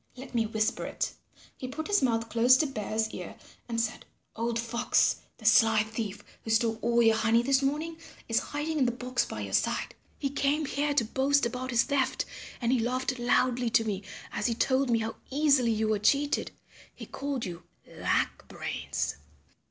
Let me whisper it." He put his mouth close to Bear's ear and said, "Old Fox, the sly thief who stole all your honey this morning is hiding in the box by your side. He came here to boast about his theft and he laughed loudly to me as he told me how easily you were cheated. He called you Lack Brains."